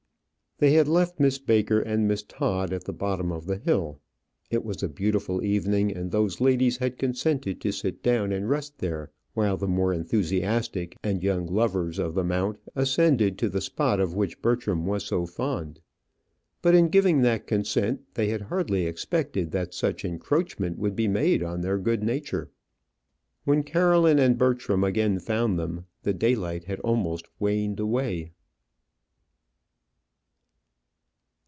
They had left Miss Baker and Miss Todd at the bottom of the hill. It was a beautiful evening, and those ladies had consented to sit down and rest there while the more enthusiastic and young lovers of the mount ascended to the spot of which Bertram was so fond. But in giving that consent, they had hardly expected that such encroachment would be made on their good nature. When Caroline and Bertram again found them, the daylight had almost waned away.